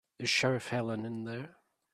Is Sheriff Helen in there?